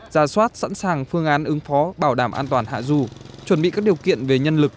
ra soát sẵn sàng phương án ứng phó bảo đảm an toàn hạ du chuẩn bị các điều kiện về nhân lực